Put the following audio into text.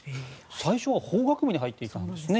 最初は法学部に入っていたんですね。